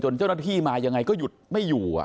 เจ้าหน้าที่มายังไงก็หยุดไม่อยู่